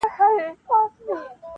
کوم څراغ چي روښنایي له پردو راوړي,